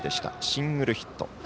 シングルヒット。